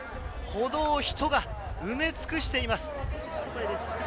歩道を人が埋め尽くしています。